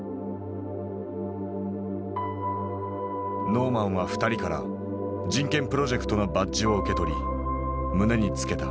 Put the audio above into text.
ノーマンは２人から人権プロジェクトのバッジを受け取り胸に付けた。